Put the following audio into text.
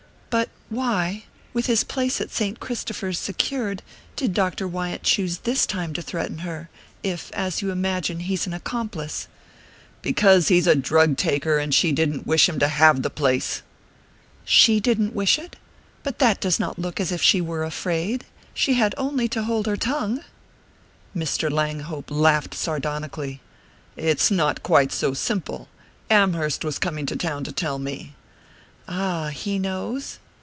"But why with his place at Saint Christopher's secured did Dr. Wyant choose this time to threaten her if, as you imagine, he's an accomplice?" "Because he's a drug taker, and she didn't wish him to have the place." "She didn't wish it? But that does not look as if she were afraid. She had only to hold her tongue!" Mr. Langhope laughed sardonically. "It's not quite so simple. Amherst was coming to town to tell me." "Ah he knows?"